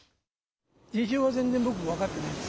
事情は全然僕分かってないんです。